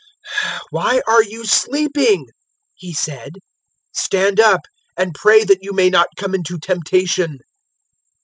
022:046 "Why are you sleeping?" He said; "stand up; and pray that you may not come into temptation."